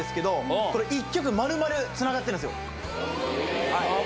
１曲丸々つながってるんですよ。